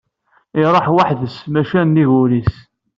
Iṛuḥ weḥd-s maca nnig wul-is.